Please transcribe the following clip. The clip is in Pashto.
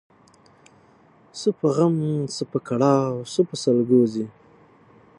څه په غم ، څه په کړاو څه په سلګو ځي